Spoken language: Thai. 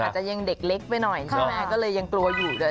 อาจจะยังเด็กเล็กไปหน่อยใช่ไหมก็เลยยังกลัวอยู่เลย